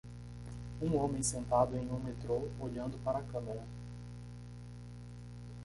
Um homem sentado em um metrô, olhando para a câmera.